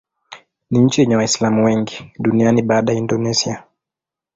Ni nchi yenye Waislamu wengi duniani baada ya Indonesia.